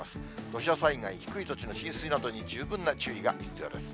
土砂災害、低い土地の浸水などに十分な注意が必要です。